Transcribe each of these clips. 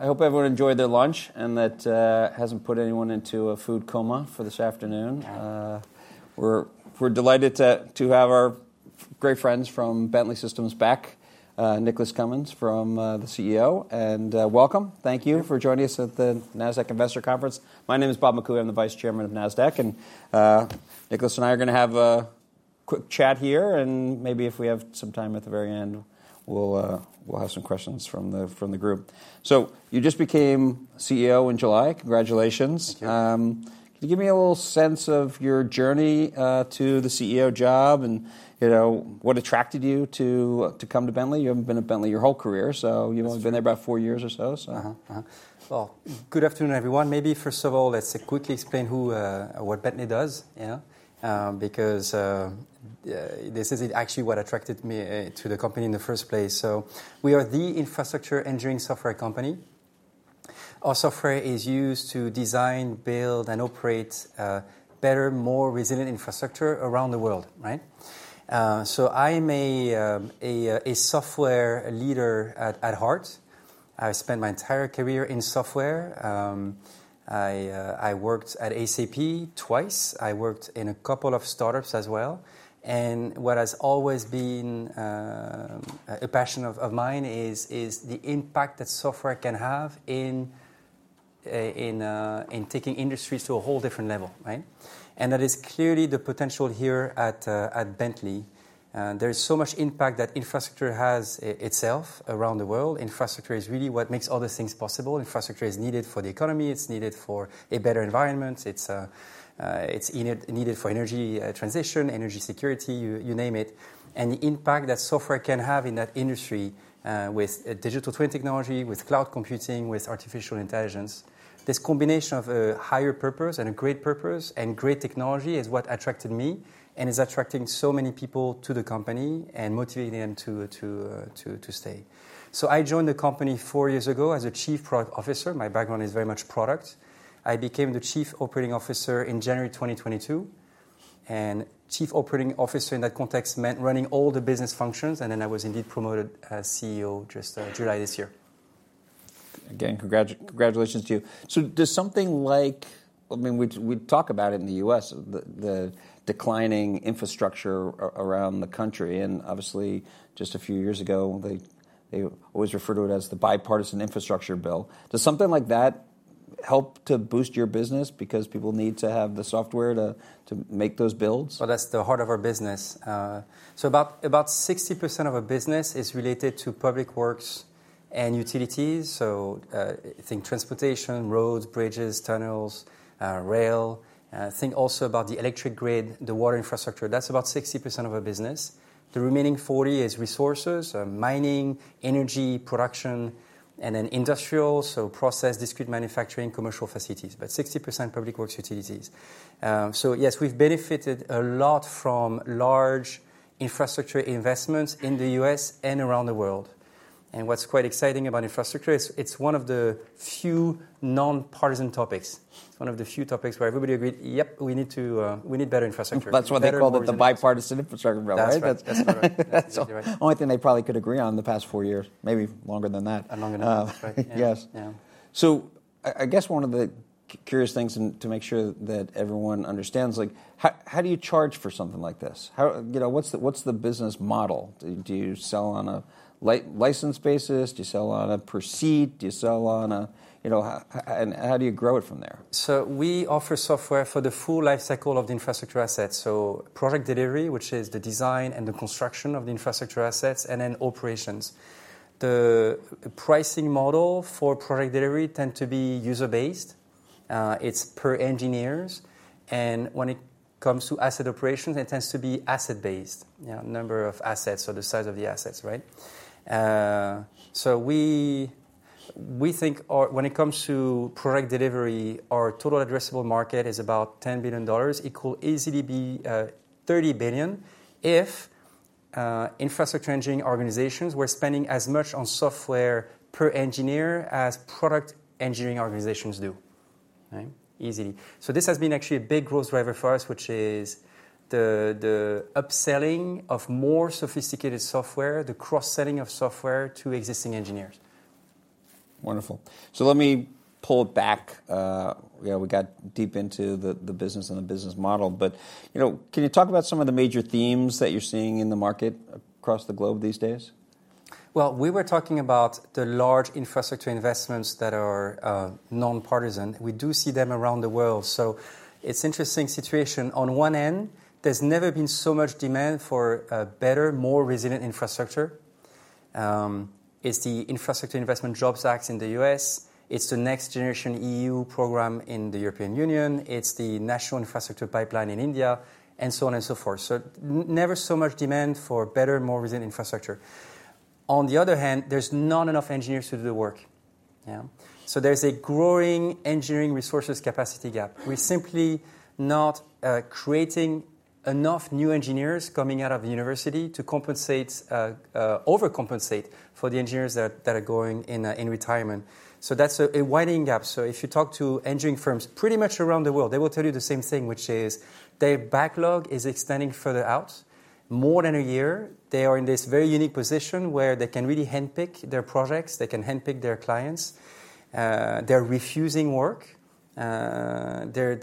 I hope everyone enjoyed their lunch and that hasn't put anyone into a food coma for this afternoon. We're delighted to have our great friends from Bentley Systems back, Nicholas Cumins, the CEO, and welcome. Thank you for joining us at the Nasdaq Investor Conference. My name is Bob McCooey. I'm the Vice Chairman of Nasdaq, and Nicholas and I are going to have a quick chat here, and maybe if we have some time at the very end, we'll have some questions from the group, so you just became CEO in July. Congratulations. Thank you. Can you give me a little sense of your journey to the CEO job and what attracted you to come to Bentley? You haven't been at Bentley your whole career, so you've only been there about four years or so. Good afternoon, everyone. Maybe first of all, let's quickly explain what Bentley does, because this is actually what attracted me to the company in the first place. We are the infrastructure engineering software company. Our software is used to design, build, and operate better, more resilient infrastructure around the world. I am a software leader at heart. I spent my entire career in software. I worked at SAP twice. I worked in a couple of startups as well. What has always been a passion of mine is the impact that software can have in taking industries to a whole different level. That is clearly the potential here at Bentley. There is so much impact that infrastructure has itself around the world. Infrastructure is really what makes all these things possible. Infrastructure is needed for the economy. It's needed for a better environment. It's needed for energy transition, energy security, you name it, and the impact that software can have in that industry with digital twin technology, with cloud computing, with artificial intelligence. This combination of a higher purpose and a great purpose and great technology is what attracted me and is attracting so many people to the company and motivating them to stay, so I joined the company four years ago as a Chief Product Officer. My background is very much product. I became the Chief Operating Officer in January 2022, and Chief Operating Officer in that context meant running all the business functions, and then I was indeed promoted CEO just July this year. Again, congratulations to you, so does something like—I mean, we talk about it in the U.S., the declining infrastructure around the country, and obviously, just a few years ago, they always referred to it as the Bipartisan Infrastructure Bill. Does something like that help to boost your business because people need to have the software to make those builds? That's the heart of our business. About 60% of our business is related to public works and utilities. I think transportation, roads, bridges, tunnels, rail. Think also about the electric grid, the water infrastructure. That's about 60% of our business. The remaining 40% is resources: mining, energy, production, and then industrial, so process, discrete manufacturing, commercial facilities. 60% public works, utilities. Yes, we've benefited a lot from large infrastructure investments in the U.S. and around the world. What's quite exciting about infrastructure is it's one of the few nonpartisan topics. It's one of the few topics where everybody agreed, yep, we need better infrastructure. That's why they call it the Bipartisan Infrastructure Bill, right? That's right. That's right. That's the only thing they probably could agree on in the past four years, maybe longer than that. Longer than that. Yes. So I guess one of the curious things to make sure that everyone understands, how do you charge for something like this? What's the business model? Do you sell on a license basis? Do you sell on a per seat? And how do you grow it from there? We offer software for the full lifecycle of the infrastructure assets. Project delivery, which is the design and the construction of the infrastructure assets, and then operations. The pricing model for project delivery tends to be user-based. It's per engineers. And when it comes to asset operations, it tends to be asset-based, number of assets or the size of the assets, right? We think when it comes to product delivery, our total addressable market is about $10 billion. It could easily be $30 billion if infrastructure engineering organizations were spending as much on software per engineer as product engineering organizations do, easily. This has been actually a big growth driver for us, which is the upselling of more sophisticated software, the cross-selling of software to existing engineers. Wonderful. So let me pull it back. We got deep into the business and the business model. But can you talk about some of the major themes that you're seeing in the market across the globe these days? We were talking about the large infrastructure investments that are nonpartisan. We do see them around the world. It's an interesting situation. On one end, there's never been so much demand for better, more resilient infrastructure. It's the Infrastructure Investment and Jobs Act in the U.S. It's the NextGenerationEU program in the European Union. It's the National Infrastructure Pipeline in India, and so on and so forth. Never has there been so much demand for better, more resilient infrastructure. On the other hand, there's not enough engineers to do the work. There's a growing engineering resources capacity gap. We're simply not creating enough new engineers coming out of the university to compensate, overcompensate for the engineers that are going into retirement. That's a widening gap. So if you talk to engineering firms pretty much around the world, they will tell you the same thing, which is their backlog is extending further out. More than a year, they are in this very unique position where they can really handpick their projects. They can handpick their clients. They're refusing work. They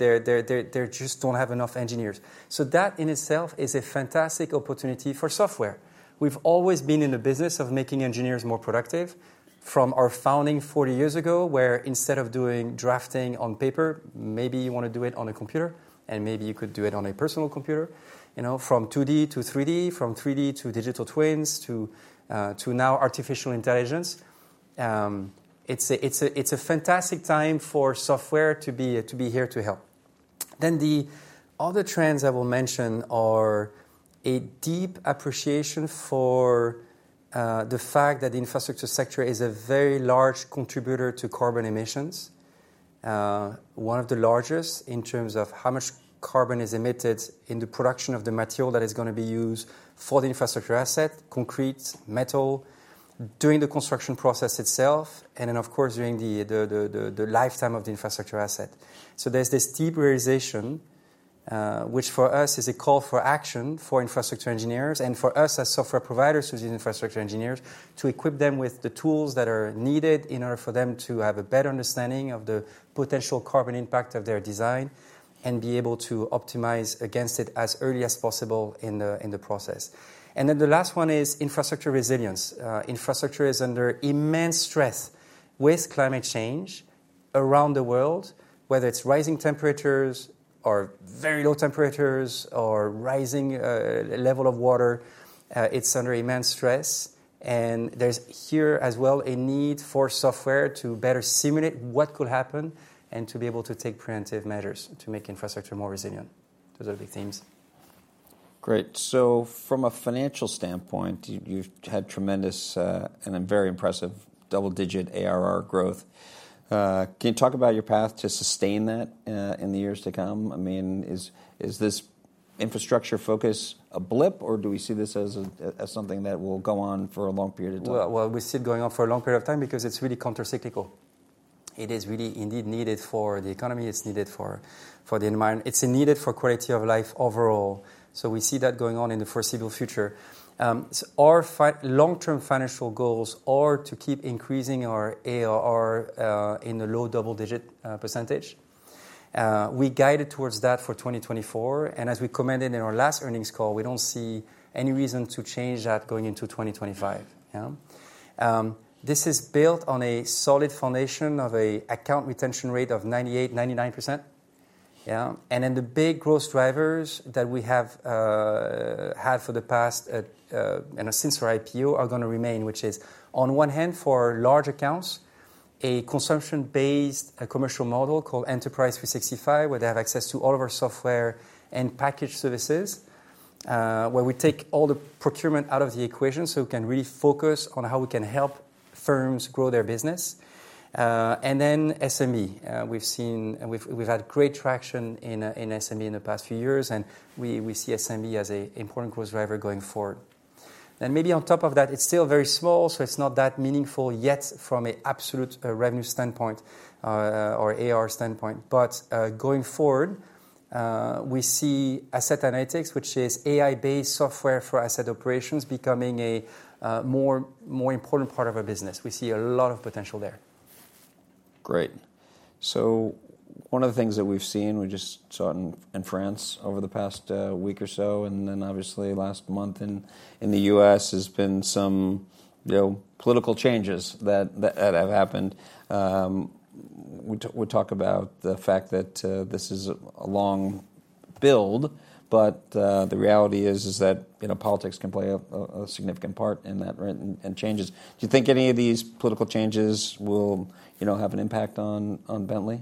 just don't have enough engineers. So that in itself is a fantastic opportunity for software. We've always been in the business of making engineers more productive from our founding 40 years ago, where instead of doing drafting on paper, maybe you want to do it on a computer, and maybe you could do it on a personal computer, from 2D to 3D, from 3D to digital twins to now artificial intelligence. It's a fantastic time for software to be here to help. Then the other trends I will mention are a deep appreciation for the fact that the infrastructure sector is a very large contributor to carbon emissions, one of the largest in terms of how much carbon is emitted in the production of the material that is going to be used for the infrastructure asset, concrete, metal, during the construction process itself, and then, of course, during the lifetime of the infrastructure asset. So there's this deep realization, which for us is a call for action for infrastructure engineers and for us as software providers to these infrastructure engineers to equip them with the tools that are needed in order for them to have a better understanding of the potential carbon impact of their design and be able to optimize against it as early as possible in the process. And then the last one is infrastructure resilience. Infrastructure is under immense stress with climate change around the world, whether it's rising temperatures or very low temperatures or rising levels of water. It's under immense stress. And there's here as well a need for software to better simulate what could happen and to be able to take preemptive measures to make infrastructure more resilient. Those are the big themes. Great. So from a financial standpoint, you've had tremendous and a very impressive double-digit ARR growth. Can you talk about your path to sustain that in the years to come? I mean, is this infrastructure focus a blip, or do we see this as something that will go on for a long period of time? We see it going on for a long period of time because it's really countercyclical. It is really indeed needed for the economy. It's needed for the environment. It's needed for quality of life overall. So we see that going on in the foreseeable future. Our long-term financial goals are to keep increasing our ARR in the low double-digit percentage. We guided towards that for 2024. And as we commented in our last earnings call, we don't see any reason to change that going into 2025. This is built on a solid foundation of an account retention rate of 98%, 99%. And then the big growth drivers that we have had for the past since our IPO are going to remain, which is, on one hand, for large accounts, a consumption-based commercial model called Enterprise 365, where they have access to all of our software and package services, where we take all the procurement out of the equation so we can really focus on how we can help firms grow their business. And then SME. We've had great traction in SME in the past few years, and we see SME as an important growth driver going forward. And maybe on top of that, it's still very small, so it's not that meaningful yet from an absolute revenue standpoint or ARR standpoint. But going forward, we see asset analytics, which is AI-based software for asset operations, becoming a more important part of our business. We see a lot of potential there. Great. So one of the things that we've seen, we just saw it in France over the past week or so, and then obviously last month in the U.S., has been some political changes that have happened. We talk about the fact that this is a long build, but the reality is that politics can play a significant part in that and changes. Do you think any of these political changes will have an impact on Bentley?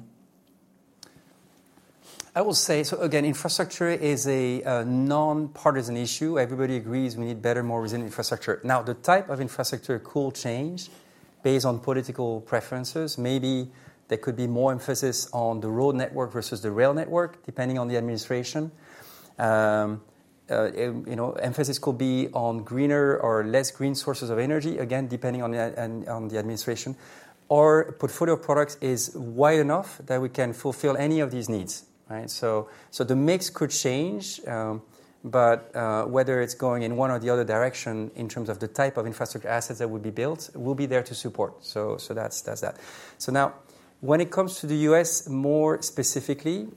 I will say, so again, infrastructure is a nonpartisan issue. Everybody agrees we need better, more resilient infrastructure. Now, the type of infrastructure could change based on political preferences. Maybe there could be more emphasis on the road network versus the rail network, depending on the administration. Emphasis could be on greener or less green sources of energy, again, depending on the administration. Our portfolio of products is wide enough that we can fulfill any of these needs. So the mix could change, but whether it's going in one or the other direction in terms of the type of infrastructure assets that will be built will be there to support. So that's that. So now, when it comes to the U.S. more specifically,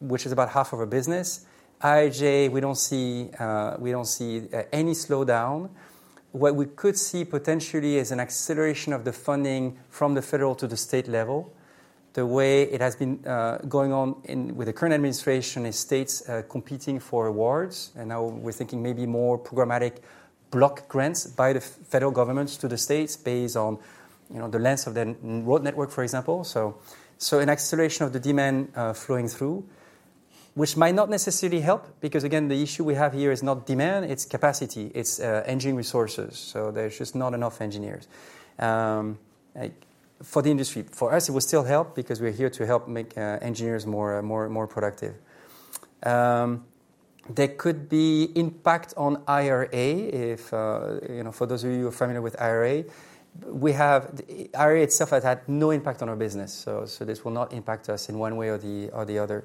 which is about half of our business, IIJA, we don't see any slowdown. What we could see potentially is an acceleration of the funding from the federal to the state level. The way it has been going on with the current administration is states competing for awards. And now we're thinking maybe more programmatic block grants by the federal governments to the states based on the length of their road network, for example. So an acceleration of the demand flowing through, which might not necessarily help because, again, the issue we have here is not demand. It's capacity. It's engineering resources. So there's just not enough engineers for the industry. For us, it will still help because we're here to help make engineers more productive. There could be impact on IRA if for those of you who are familiar with IRA, we have IRA itself has had no impact on our business. So this will not impact us in one way or the other.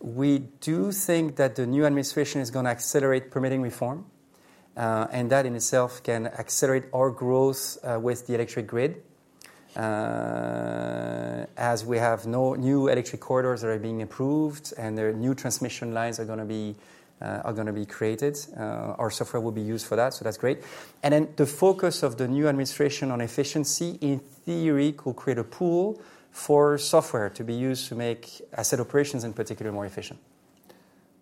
We do think that the new administration is going to accelerate permitting reform. And that in itself can accelerate our growth with the electric grid as we have new electric corridors that are being approved and new transmission lines are going to be created. Our software will be used for that. So that's great. And then the focus of the new administration on efficiency, in theory, could create a pool for software to be used to make asset operations in particular more efficient.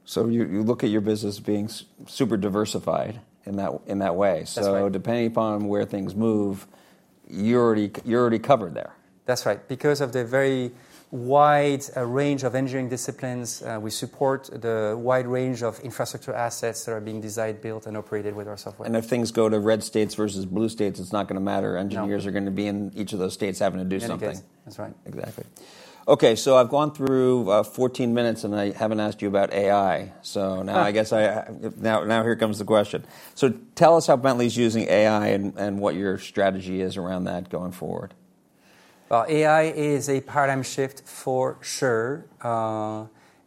So you look at your business being super diversified in that way. So depending upon where things move, you're already covered there. That's right. Because of the very wide range of engineering disciplines, we support the wide range of infrastructure assets that are being designed, built, and operated with our software. If things go to red states versus blue states, it's not going to matter. Engineers are going to be in each of those states having to do something. Exactly. That's right. Exactly. OK, so I've gone through 14 minutes, and I haven't asked you about AI. So now I guess here comes the question. So tell us how Bentley's using AI and what your strategy is around that going forward. AI is a paradigm shift for sure.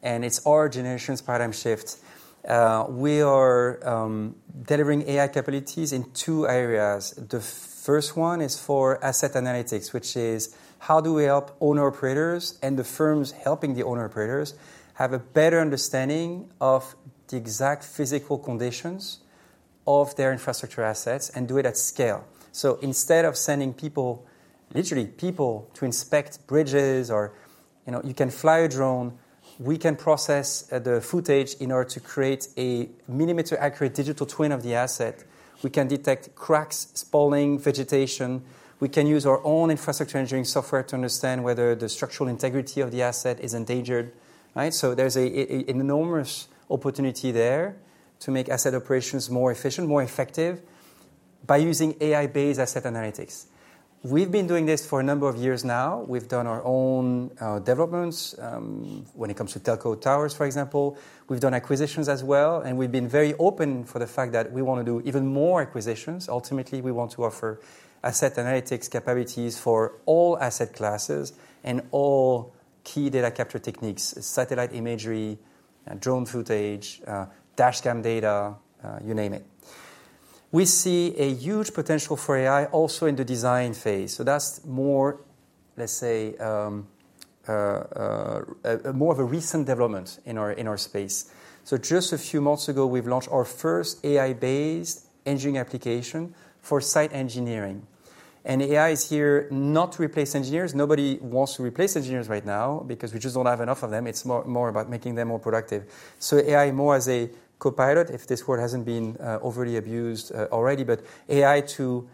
It's our generation's paradigm shift. We are delivering AI capabilities in two areas. The first one is for asset analytics, which is how do we help owner-operators and the firms helping the owner-operators have a better understanding of the exact physical conditions of their infrastructure assets and do it at scale. Instead of sending people, literally people, to inspect bridges or you can fly a drone, we can process the footage in order to create a millimeter-accurate digital twin of the asset. We can detect cracks, spalling, vegetation. We can use our own infrastructure engineering software to understand whether the structural integrity of the asset is endangered. There's an enormous opportunity there to make asset operations more efficient, more effective by using AI-based asset analytics. We've been doing this for a number of years now. We've done our own developments when it comes to telco towers, for example. We've done acquisitions as well, and we've been very open for the fact that we want to do even more acquisitions. Ultimately, we want to offer asset analytics capabilities for all asset classes and all key data capture techniques, satellite imagery, drone footage, dashcam data, you name it. We see a huge potential for AI also in the design phase, so that's more, let's say, more of a recent development in our space, so just a few months ago, we've launched our first AI-based engineering application for site engineering, and AI is here not to replace engineers. Nobody wants to replace engineers right now because we just don't have enough of them. It's more about making them more productive. So AI more as a co-pilot, if this word hasn't been overly abused already, but AI to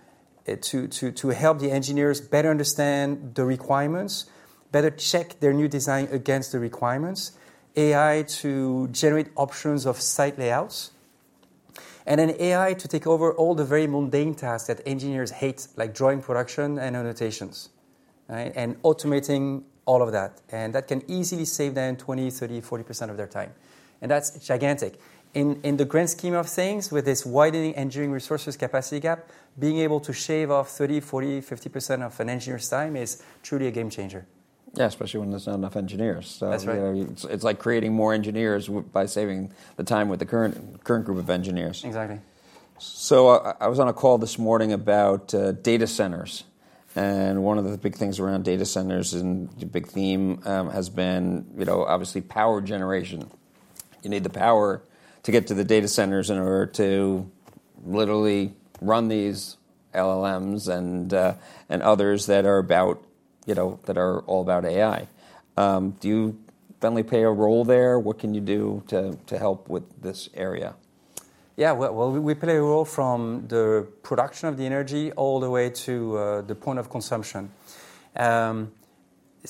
help the engineers better understand the requirements, better check their new design against the requirements, AI to generate options of site layouts, and then AI to take over all the very mundane tasks that engineers hate, like drawing production and annotations and automating all of that. And that can easily save them 20%, 30%, 40% of their time. And that's gigantic. In the grand scheme of things, with this widening engineering resources capacity gap, being able to shave off 30%, 40%, 50% of an engineer's time is truly a game changer. Yeah, especially when there's not enough engineers. That's right. It's like creating more engineers by saving the time with the current group of engineers. Exactly. I was on a call this morning about data centers. One of the big things around data centers and the big theme has been, obviously, power generation. You need the power to get to the data centers in order to literally run these LLMs and others that are all about AI. Do you, Bentley, play a role there? What can you do to help with this area? Yeah, well, we play a role from the production of the energy all the way to the point of consumption.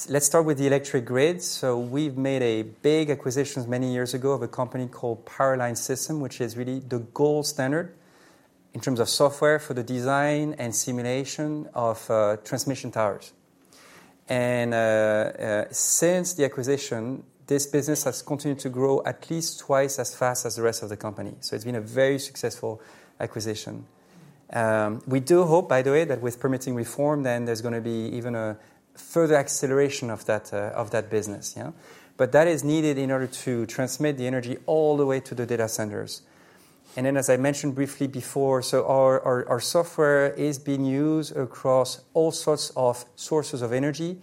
Let's start with the electric grid so we've made a big acquisition many years ago of a company called Power Line Systems, which is really the gold standard in terms of software for the design and simulation of transmission towers, and since the acquisition, this business has continued to grow at least twice as fast as the rest of the company, so it's been a very successful acquisition. We do hope, by the way, that with permitting reform, then there's going to be even a further acceleration of that business, but that is needed in order to transmit the energy all the way to the data centers. As I mentioned briefly before, so our software is being used across all sorts of sources of energy,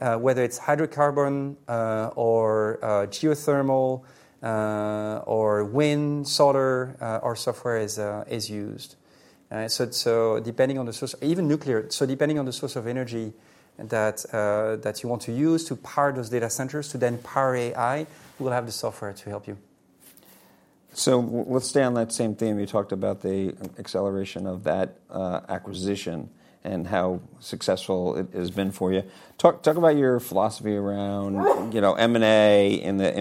whether it's hydrocarbon or geothermal or wind, solar, our software is used. So depending on the source, even nuclear, so depending on the source of energy that you want to use to power those data centers to then power AI, we'll have the software to help you. So let's stay on that same theme. You talked about the acceleration of that acquisition and how successful it has been for you. Talk about your philosophy around M&A in the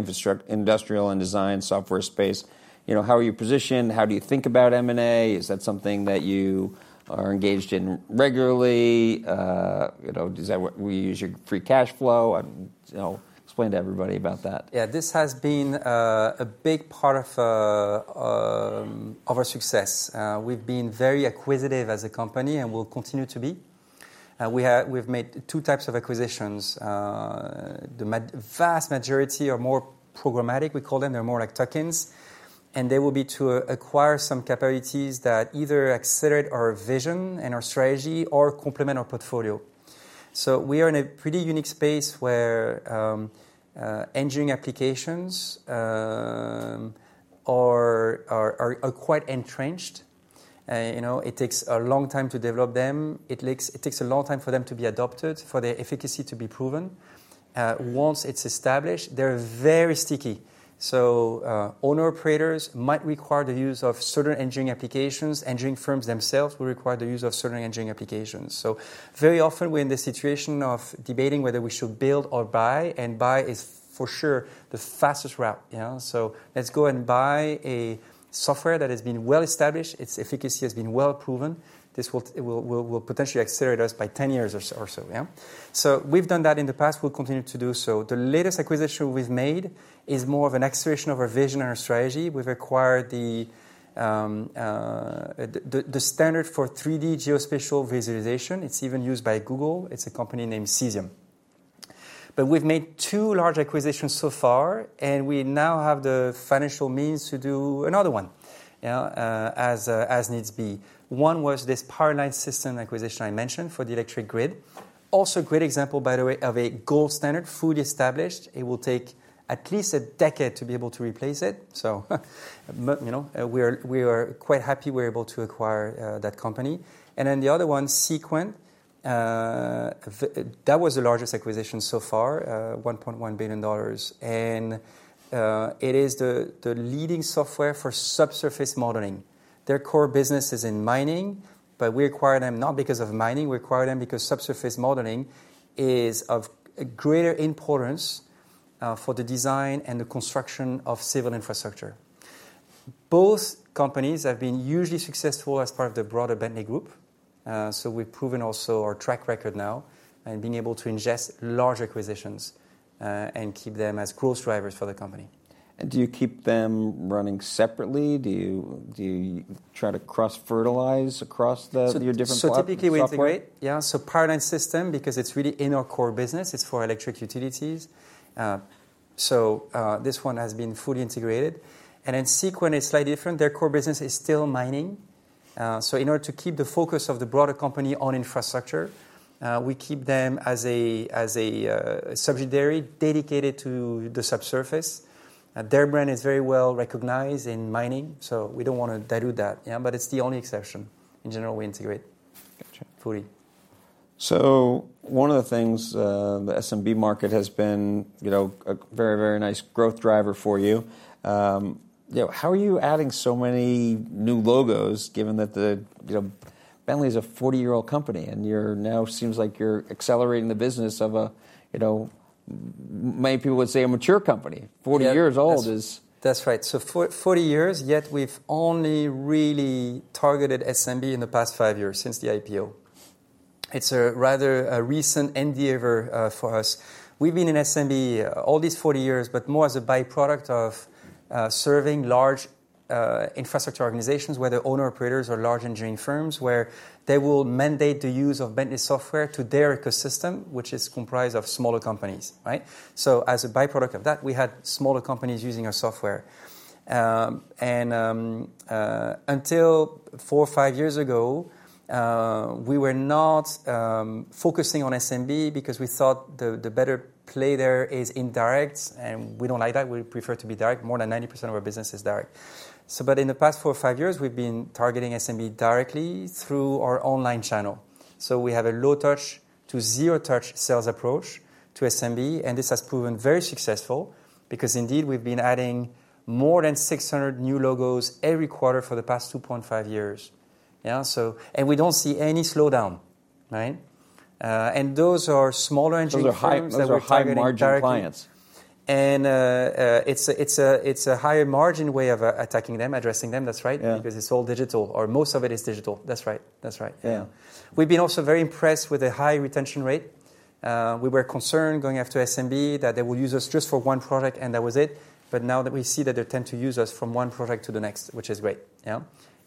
industrial and design software space. How are you positioned? How do you think about M&A? Is that something that you are engaged in regularly? Do you use your free cash flow? Explain to everybody about that. Yeah, this has been a big part of our success. We've been very acquisitive as a company and will continue to be. We've made two types of acquisitions. The vast majority are more programmatic, we call them. They're more like tuck-ins. And they will be to acquire some capabilities that either accelerate our vision and our strategy or complement our portfolio. So we are in a pretty unique space where engineering applications are quite entrenched. It takes a long time to develop them. It takes a long time for them to be adopted, for their efficacy to be proven. Once it's established, they're very sticky. So owner-operators might require the use of certain engineering applications. Engineering firms themselves will require the use of certain engineering applications. So very often, we're in the situation of debating whether we should build or buy. And buy is for sure the fastest route. Let's go and buy a software that has been well established. Its efficacy has been well proven. This will potentially accelerate us by 10 years or so. We've done that in the past. We'll continue to do so. The latest acquisition we've made is more of an acceleration of our vision and our strategy. We've acquired the standard for 3D geospatial visualization. It's even used by Google. It's a company named Cesium. But we've made two large acquisitions so far, and we now have the financial means to do another one as needs be. One was this Power Line Systems acquisition I mentioned for the electric grid. Also, great example, by the way, of a gold standard, fully established. It will take at least a decade to be able to replace it. We are quite happy we're able to acquire that company. And then the other one, Seequent, that was the largest acquisition so far, $1.1 billion. And it is the leading software for subsurface modeling. Their core business is in mining, but we acquired them not because of mining. We acquired them because subsurface modeling is of greater importance for the design and the construction of civil infrastructure. Both companies have been hugely successful as part of the broader Bentley Group. So we've proven also our track record now and been able to ingest large acquisitions and keep them as growth drivers for the company. Do you keep them running separately? Do you try to cross-fertilize across your different parts of the software? Typically, we integrate. Yeah, so Power Line Systems, because it's really in our core business, it's for electric utilities. So this one has been fully integrated. And then Seequent is slightly different. Their core business is still mining. So in order to keep the focus of the broader company on infrastructure, we keep them as a subsidiary dedicated to the subsurface. Their brand is very well recognized in mining. So we don't want to dilute that. But it's the only exception. In general, we integrate fully. So one of the things the SMB market has been a very, very nice growth driver for you. How are you adding so many new logos, given that Bentley is a 40-year-old company? And now it seems like you're accelerating the business of a, many people would say, a mature company. 40 years old is. That's right. So 40 years, yet we've only really targeted SMB in the past five years since the IPO. It's rather a recent endeavor for us. We've been in SMB all these 40 years, but more as a byproduct of serving large infrastructure organizations, whether owner-operators or large engineering firms, where they will mandate the use of Bentley software to their ecosystem, which is comprised of smaller companies. So as a byproduct of that, we had smaller companies using our software. And until four or five years ago, we were not focusing on SMB because we thought the better play there is indirect. And we don't like that. We prefer to be direct. More than 90% of our business is direct. But in the past four or five years, we've been targeting SMB directly through our online channel. So we have a low-touch to zero-touch sales approach to SMB. And this has proven very successful because, indeed, we've been adding more than 600 new logos every quarter for the past 2.5 years. And we don't see any slowdown. And those are smaller engineering firms that we're targeting directly. Those are higher margin clients. It's a higher margin way of attacking them, addressing them. That's right. Because it's all digital, or most of it is digital. That's right. That's right. We've been also very impressed with the high retention rate. We were concerned going after SMB that they will use us just for one project, and that was it. Now that we see that they tend to use us from one project to the next, which is great.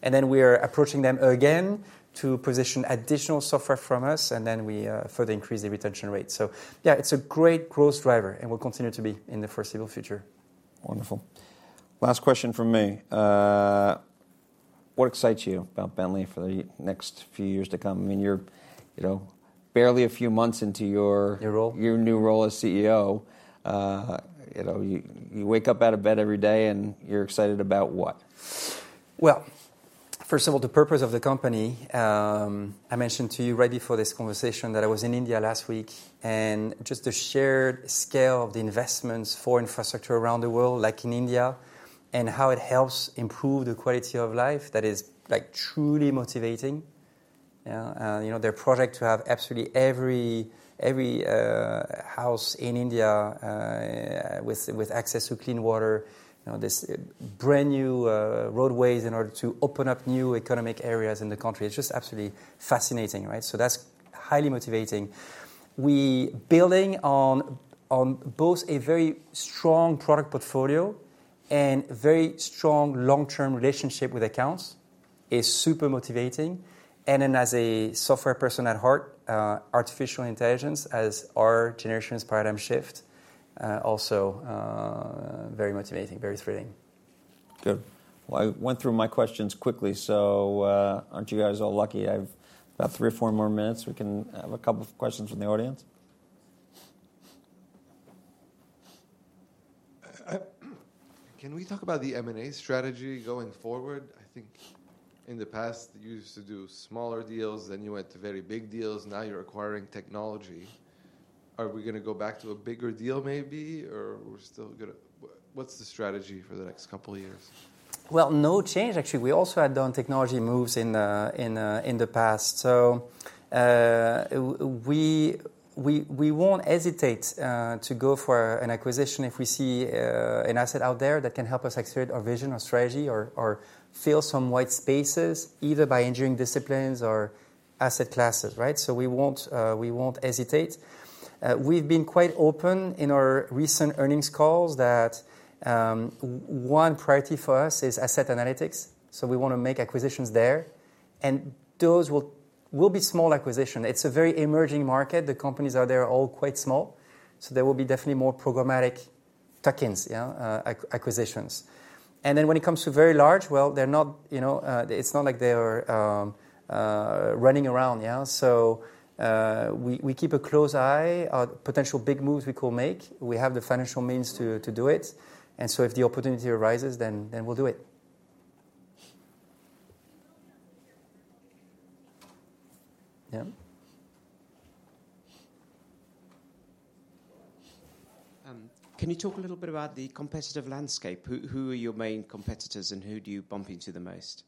Then we are approaching them again to position additional software from us. Then we further increase the retention rate. Yeah, it's a great growth driver. We'll continue to be in the foreseeable future. Wonderful. Last question from me. What excites you about Bentley for the next few years to come? I mean, you're barely a few months into your. New role. Your new role as CEO. You wake up out of bed every day, and you're excited about what? First of all, the purpose of the company. I mentioned to you right before this conversation that I was in India last week. Just the shared scale of the investments for infrastructure around the world, like in India, and how it helps improve the quality of life, that is truly motivating. Their project to have absolutely every house in India with access to clean water, these brand new roadways in order to open up new economic areas in the country. It's just absolutely fascinating. That's highly motivating. Building on both a very strong product portfolio and very strong long-term relationship with accounts is super motivating. Then as a software person at heart, artificial intelligence, as our generation's paradigm shift, also very motivating, very thrilling. Good. Well, I went through my questions quickly. So aren't you guys all lucky? I have about three or four more minutes. We can have a couple of questions from the audience. Can we talk about the M&A strategy going forward? I think in the past, you used to do smaller deals. Then you went to very big deals. Now you're acquiring technology. Are we going to go back to a bigger deal maybe? Or what's the strategy for the next couple of years? No change, actually. We also had done technology moves in the past. So we won't hesitate to go for an acquisition if we see an asset out there that can help us accelerate our vision, our strategy, or fill some white spaces, either by engineering disciplines or asset classes. So we won't hesitate. We've been quite open in our recent earnings calls that one priority for us is asset analytics. So we want to make acquisitions there. And those will be small acquisitions. It's a very emerging market. The companies out there are all quite small. So there will be definitely more programmatic tuck-in acquisitions. And then when it comes to very large, well, it's not like they are running around. So we keep a close eye on potential big moves we could make. We have the financial means to do it. If the opportunity arises, then we'll do it. Yeah. Can you talk a little bit about the competitive landscape? Who are your main competitors, and who do you bump into the most?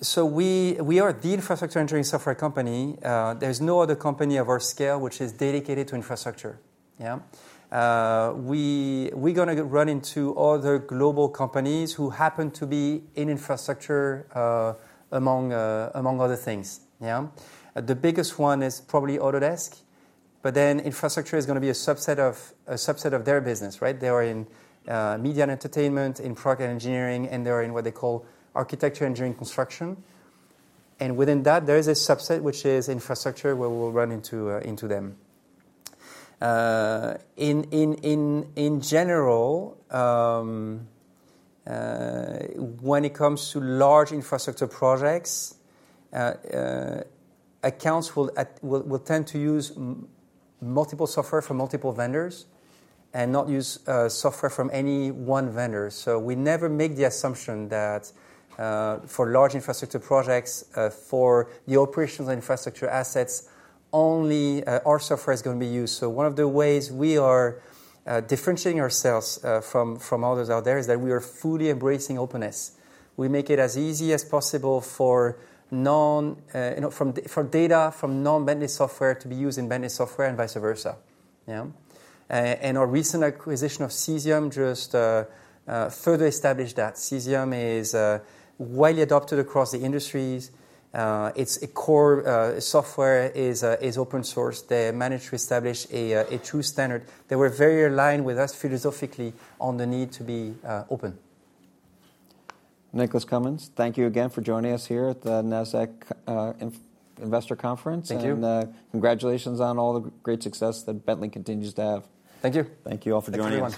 So we are the infrastructure engineering software company. There's no other company of our scale which is dedicated to infrastructure. We're going to run into other global companies who happen to be in infrastructure, among other things. The biggest one is probably Autodesk. But then infrastructure is going to be a subset of their business. They are in media and entertainment, in product engineering, and they are in what they call architecture engineering construction. And within that, there is a subset which is infrastructure where we'll run into them. In general, when it comes to large infrastructure projects, accounts will tend to use multiple software from multiple vendors and not use software from any one vendor. So we never make the assumption that for large infrastructure projects, for the operational infrastructure assets, only our software is going to be used. One of the ways we are differentiating ourselves from others out there is that we are fully embracing openness. We make it as easy as possible for data from non-Bentley software to be used in Bentley software and vice versa. Our recent acquisition of Cesium just further established that. Cesium is widely adopted across the industries. Its core software is open source. They managed to establish a true standard. They were very aligned with us philosophically on the need to be open. Nicholas Cumins, thank you again for joining us here at the Nasdaq Investor Conference. Thank you. Congratulations on all the great success that Bentley continues to have. Thank you. Thank you all for joining us.